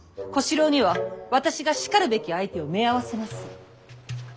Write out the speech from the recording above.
小四郎には私がしかるべき相手をめあわせます。